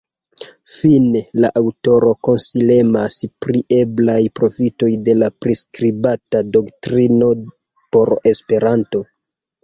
Fine, la aŭtoro konsilemas pri eblaj profitoj de la priskribita doktrino por Esperanto.